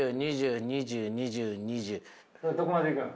どこまでいくん？